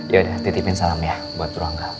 ya udah titipin salam ya buat bro angga